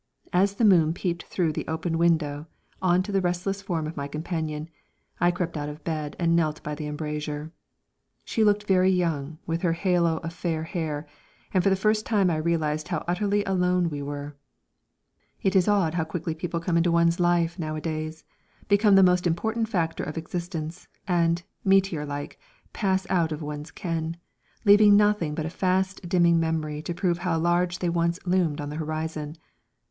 As the moon peeped through the open window on to the restless form of my companion, I crept out of bed and knelt by the embrasure. She looked very young with her halo of fair hair, and for the first time I realised how utterly alone we were. It is odd how quickly people come into one's life nowadays, become the most important factor of existence, and, meteor like, pass out of one's ken, leaving nothing but a fast dimming memory to prove how large they once loomed on the horizon.